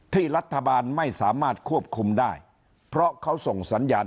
ที่รัฐบาลไม่สามารถควบคุมได้เพราะเขาส่งสัญญาณ